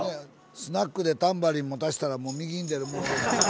スナックでタンバリン持たせたらもう右に出る者は。